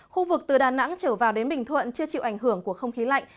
khu vực từ đà nẵng trở vào đến bình thuận chưa chịu ảnh hưởng của không khí lạnh